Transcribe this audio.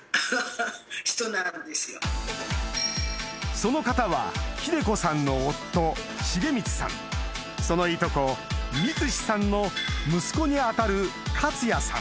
その方は秀子さんの夫重光さんそのいとこ光司さんの息子に当たる克也さん